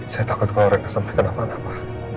saya takut kalau rena sampai kenapa napa